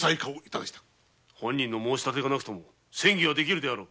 本人の申し立てがなくとも詮議はできよう。